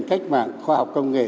cách mạng khoa học công nghệ